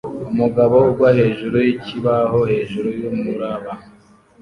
Umugabo ugwa hejuru yikibaho hejuru yumuraba